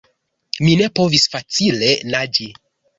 Mi ne povis facile naĝi.